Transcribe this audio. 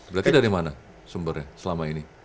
berarti dari mana sumbernya selama ini